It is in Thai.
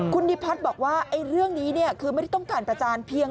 คุณนิพัฒน์บอกว่าเรื่องนี้คือไม่ได้ต้องการประจานเพียง